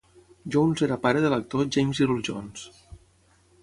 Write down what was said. Jones era pare de l'actor James Earl Jones.